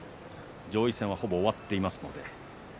上位戦はほぼ終わっていますので。